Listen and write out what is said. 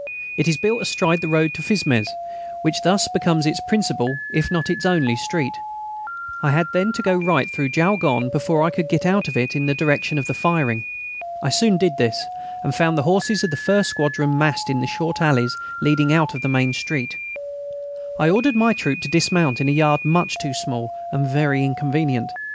It is built astride the road to Fismes, which thus becomes its principal, if not its only, street. I had then to go right through Jaulgonne before I could get out of it in the direction of the firing. I soon did this, and found the horses of the first squadron massed in the short alleys leading out of the main street. I ordered my troop to dismount in a yard much too small and very inconvenient.